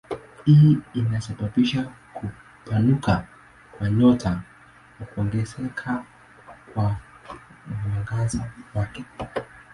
Hii inasababisha kupanuka kwa nyota na kuongezeka kwa mwangaza wake.